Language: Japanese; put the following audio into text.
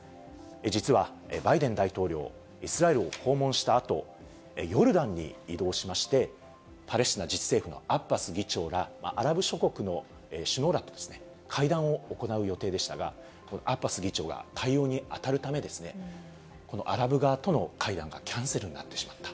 実はバイデン大統領、イスラエルを訪問したあと、ヨルダンに移動しまして、パレスチナ自治政府のアッバス議長ら、アラブ諸国の首脳らと会談を行う予定でしたが、アッバス議長が対応に当たるため、このアラブ側との会談がキャンセルとなってしまった。